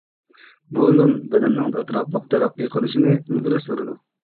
بۇ ئويۇن بەدەننىڭ ئەتراپلىق تەرەققىي قىلىشىنى ئىلگىرى سۈرىدۇ.